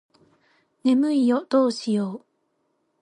眠いよどうしよう